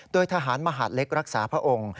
โดยทหารมหาดเล็กรักษาพระองค์